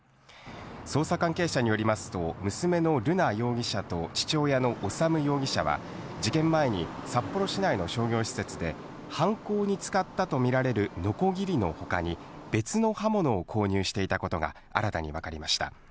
捜査関係者によりますと、娘の瑠奈容疑者と、父親の修容疑者は事件前に札幌市内の商業施設で犯行に使ったとみられるのこぎりの他に別の刃物を購入していたことが新たにわかりました。